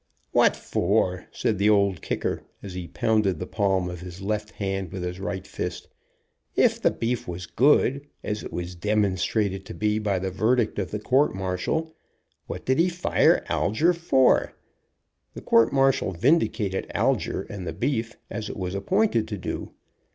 "What for?" said the Old Kicker, as he pounded the palm of his left hand with his right fist. "If the beef was good, as it was demonstrated to be by the verdict of the courtmartial, what did he fire Alger for? The court martial vindicated Alger, and the beef, as it was appointed to do.